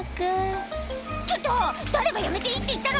「ちょっと誰がやめていいって言ったの！」